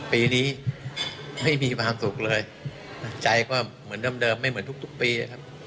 ปีนี้ไม่มีความสุขเลยใจก็เหมือนเดิมไม่เหมือนทุกปีนะครับ